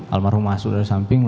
almarhum masuk dari samping